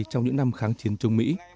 trong những năm kháng chiến chống mỹ